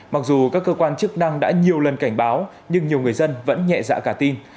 mặc dù các cơ quan chức năng đã nhiều lần cảnh báo nhưng nhiều người dân vẫn nhẹ dạ cả tin